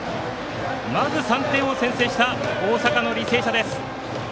まず３点を先制した大阪の履正社です。